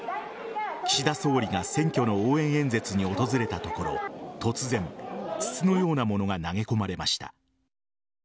岸田総理が選挙の応援演説に訪れたところ突然、筒のようなものが投げ込まれました。